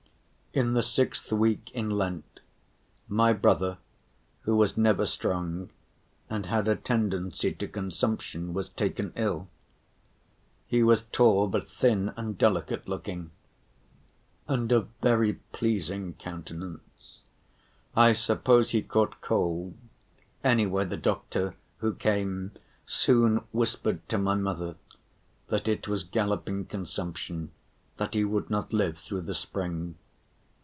In the sixth week in Lent, my brother, who was never strong and had a tendency to consumption, was taken ill. He was tall but thin and delicate‐ looking, and of very pleasing countenance. I suppose he caught cold, anyway the doctor, who came, soon whispered to my mother that it was galloping consumption, that he would not live through the spring.